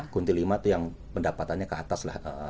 kuintil lima itu yang pendapatannya ke atas